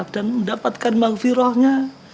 dan mendapatkan maafi rohnya